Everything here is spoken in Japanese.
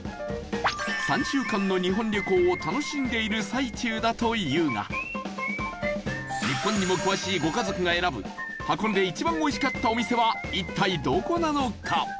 ３週間の日本旅行を楽しんでいる最中だというが日本にも詳しいご家族が選ぶ箱根で一番おいしかったお店は一体、どこなのか？